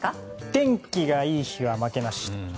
天気がいい日は負けなし。